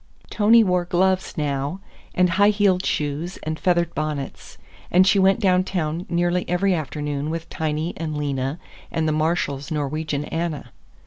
Tony wore gloves now, and high heeled shoes and feathered bonnets, and she went downtown nearly every afternoon with Tiny and Lena and the Marshalls' Norwegian Anna.